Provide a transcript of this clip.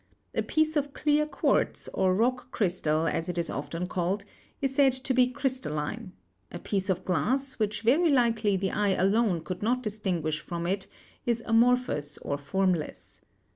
A piece of clear quartz, or rock crystal as it is often called, is said to be crystalline ; a piece of glass which very likely the eye alone could not distinguish from it is amorphous or form less.